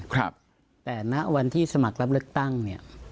ครับแต่ณวันที่สมัครรับเลือกตั้งเนี่ย